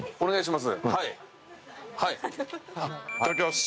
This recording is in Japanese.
いただきます。